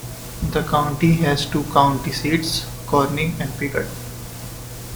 The county has two county seats, Corning and Piggott.